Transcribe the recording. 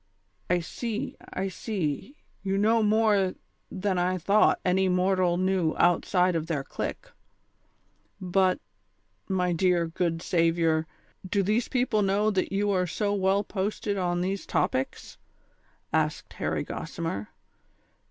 " I see, I see, you know more than I thought any mortal knew outside of their clique. But, my dear, good saviour, do these people know that you are so well posted on these topics ?" asked Harry Gossimer.